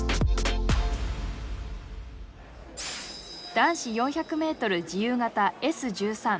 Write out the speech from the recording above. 男子４００ｍ自由形Ｓ１３